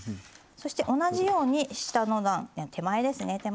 そして同じように下の段手前ですね